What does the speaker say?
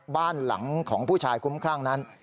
บ้านหลังของผู้ชายคุ้มครั่งนั้น